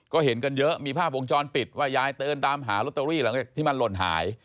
ก็เห็นกันเยอะมีภาพวงจรปิดว่ายายเดินตามหาลอตเตอรี่หลังจากที่มันหล่นหาย